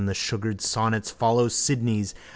The sugared sonnets follow Sidney's.